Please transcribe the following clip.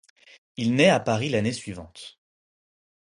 Il naît à Paris l'année suivante.